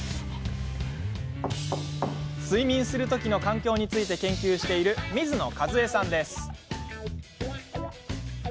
睡眠する時の環境について研究している水野一枝さんです。